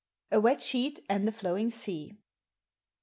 A WET SHEET AND A FLOWING SEA.